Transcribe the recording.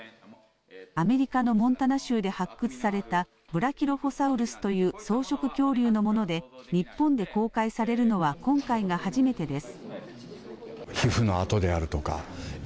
アメリカのモンタナ州で発掘された、ブラキロフォサウルスという草食恐竜のもので、日本で公開されるのは今回が初めてです。